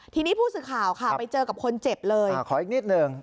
ทีนี้ผู้สื่อข่าวค่ะไปเจอกับคนเจ็บเลยขออีกนิดหนึ่ง